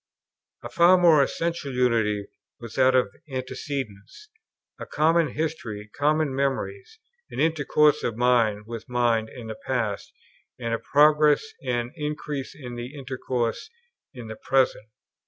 A far more essential unity was that of antecedents, a common history, common memories, an intercourse of mind with mind in the past, and a progress and increase in that intercourse in the present.